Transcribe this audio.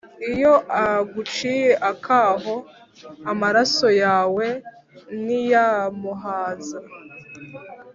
iyo aguciye akaho, amaraso yawe ntiyamuhaza